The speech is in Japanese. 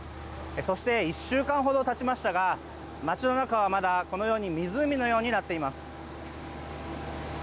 そして、１週間ほど経ちましたが街の中はまだこのように湖のようになっています。